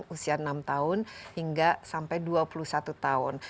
usia enam tahun hingga sampai dua puluh satu tahun